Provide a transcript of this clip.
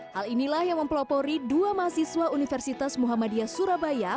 hal inilah yang mempelopori dua mahasiswa universitas muhammadiyah surabaya